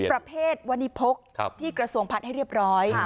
ประเภทวนิพกที่กระทรวงพัฒน์ให้เรียบร้อย